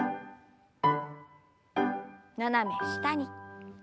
斜め下に。